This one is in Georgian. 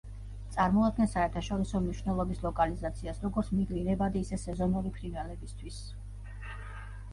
წარმოადგენს საერთაშორისო მნიშვნელობის ლოკალიზაციას, როგორც მიგრირებადი, ისე სეზონური ფრინველებისთვის.